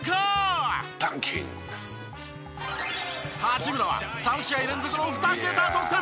八村は３試合連続の２桁得点。